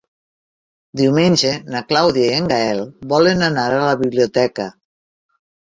Diumenge na Clàudia i en Gaël volen anar a la biblioteca.